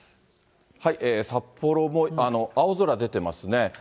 札幌も青空、出てますね。